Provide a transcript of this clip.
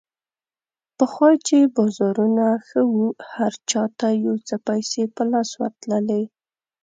پخوا چې بازارونه ښه وو، هر چا ته یو څه پیسې په لاس ورتللې.